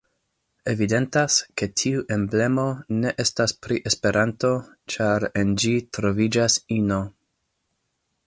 Evidentas ke tiu emblemo ne estas pri Esperanto, ĉar en ĝi troviĝas ino.